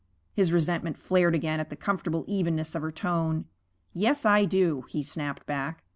His resentment flared again at the comfortable evenness of her tone. 'Yes, I do,' he snapped back.